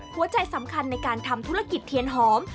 หัวใจสำคัญในการทำธุรกิจเทียนหอม